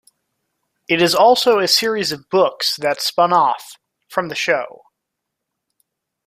It is also a series of books that spun off, from the show.